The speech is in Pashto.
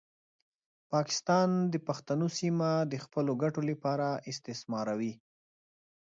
پاکستان د پښتنو سیمه د خپلو ګټو لپاره استثماروي.